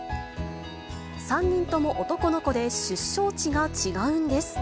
３人とも男の子で、出生地が違うんです。